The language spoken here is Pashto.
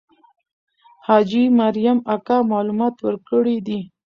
حاجي مریم اکا معلومات ورکړي دي.